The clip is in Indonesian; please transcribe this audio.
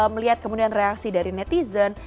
melihat kemudian reaksi dari netizen